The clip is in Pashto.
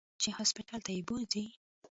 چې هسپتال ته يې بوځي.